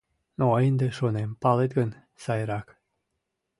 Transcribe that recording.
Но ынде, шонем, палет гын, сайрак...